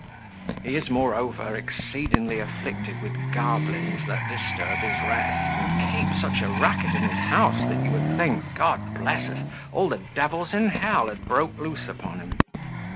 He is, moreover, exceedingly afflicted with goblins that disturb his rest, and keep such a racket in his house, that you would think (God bless us!) all the devils in hell had broke loose upon him.